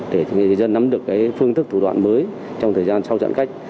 để người dân nắm được phương thức thủ đoạn mới trong thời gian sau giãn cách